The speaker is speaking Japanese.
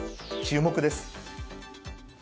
注目です。